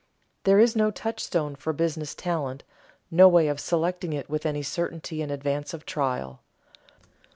_ There is no touchstone for business talent, no way of selecting it with any certainty in advance of trial.